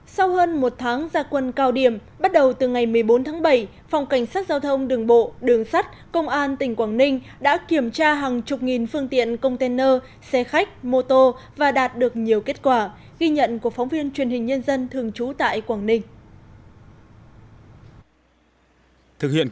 sau hơn một tháng gia quân cao điểm bắt đầu từ ngày một mươi bốn tháng bảy phòng cảnh sát giao thông đường bộ đường sắt công an tỉnh quảng ninh đã kiểm tra hàng chục nghìn phương tiện container xe khách mô tô và đạt được nhiều kết quả ghi nhận của phóng viên truyền hình nhân dân thường trú tại quảng ninh